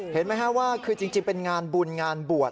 เห็นมั้ยฮะจริงเป็นงานบุญงานบวช